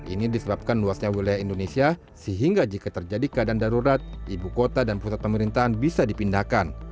ini disebabkan luasnya wilayah indonesia sehingga jika terjadi keadaan darurat ibu kota dan pusat pemerintahan bisa dipindahkan